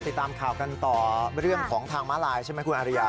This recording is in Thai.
ติดตามข่าวกันต่อเรื่องของทางม้าลายใช่ไหมคุณอาริยา